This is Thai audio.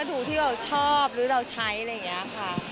ดูที่เราชอบหรือเราใช้อะไรอย่างนี้ค่ะ